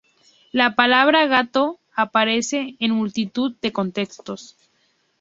La palabra "gato" aparece en multitud de contextos.